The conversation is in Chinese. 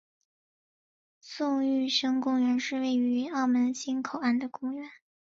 宋玉生公园是位于澳门新口岸的公园。